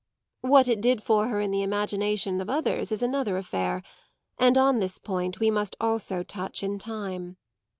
What it did for her in the imagination of others is another affair, and on this point we must also touch in time.